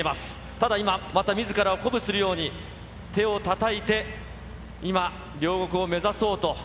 ただ、今、またみずからを鼓舞するように、手をたたいて、今、両国を目指そうと。